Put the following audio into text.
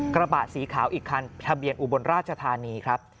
กระบะสีขาวอีกคันทะเบียนอุบลราชธานีครับ